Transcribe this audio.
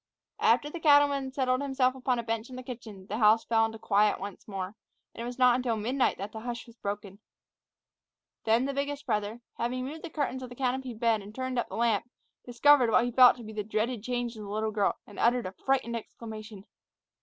After the cattleman settled himself upon the bench in the kitchen, the house fell into quiet once more; and it was not until midnight that the hush was broken. Then the biggest brother, having moved the curtains of the canopied bed and turned up the lamp, discovered what he felt to be the dreaded change in the little girl, and uttered a frightened exclamation.